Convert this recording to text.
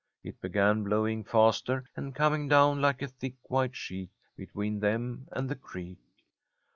It began blowing faster, and coming down like a thick white sheet between them and the creek.